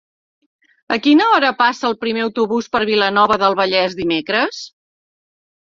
A quina hora passa el primer autobús per Vilanova del Vallès dimecres?